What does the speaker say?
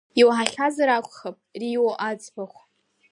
Иуаҳахьазар акәхап Рио аӡбахә?